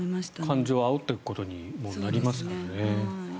感情をあおっていくことにもなりますからね。